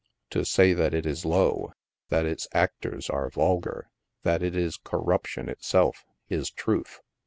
To say that it is low, that its actors are vulgar, that it is corruption itself, is truth.